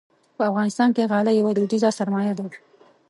په افغانستان کې غالۍ یوه دودیزه سرمایه ده.